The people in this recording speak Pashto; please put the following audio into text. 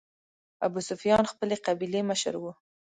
ابوسفیان خپلې قبیلې مشر و.